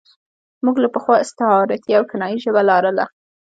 موږ له پخوا استعارتي او کنايي ژبه لاره.